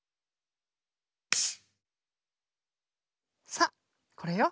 さあこれよ。